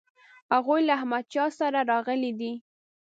هغوی له احمدشاه سره راغلي دي.